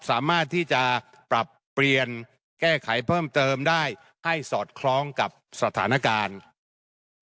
สามารถที่จะปรับเปลี่ยนแก้ไขเพิ่มเติมได้ให้สอดคล้องกับสถานการณ์นะครับ